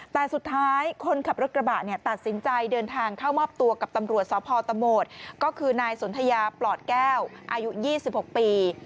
แต่สุดท้ายคนขับรถกระบะเนี่ยตัดสินใจเดินทางเข้ามอบตัวกับตำรวจสพตะโหมดก็คือนายสนทยาปลอดแก้วอายุ๒๖ปี